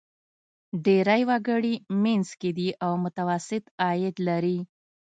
ډېری وګړي منځ کې دي او متوسط عاید لري.